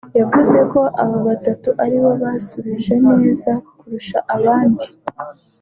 yavuze ko aba batatu ari bo bashubije neza kurusha abandi